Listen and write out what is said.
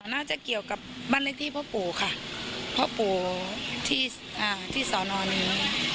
น่าจะเกี่ยวกับบ้านเล็กที่พ่อปู่ค่ะพ่อปู่ที่สอนอนี้